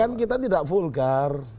kan kita tidak vulgar